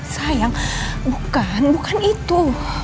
sayang bukan bukan itu